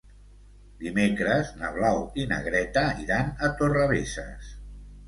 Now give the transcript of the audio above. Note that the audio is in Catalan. Dimecres na Blau i na Greta iran a Torrebesses.